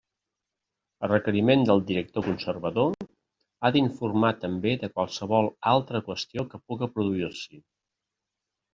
A requeriment del director-conservador, ha d'informar també de qualsevol altra qüestió que puga produir-s'hi.